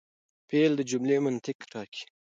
فعل د جملې منطق ټاکي.